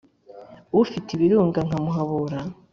ufite ibirunga nka muhabura